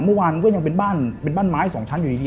เมื่อวานก็ยังเป็นบ้านไม้สองชั้นอยู่ดี